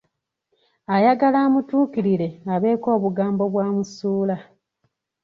Ayagala amutuukirire abeeko obugambo bwamusuula.